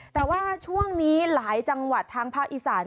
แต่ว่าช่วงนี้หลายจังหวัดทางภาคอีสาน